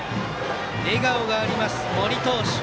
笑顔がありました、森投手。